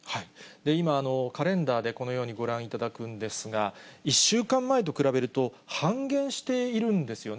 今、カレンダーでこのようにご覧いただくんですが、１週間前と比べると、半減しているんですよね。